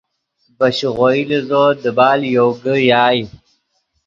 ڤے شیغوئی لیزو دیبال یوگے یائے